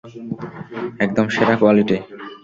একদম সেরা কোয়ালিটি।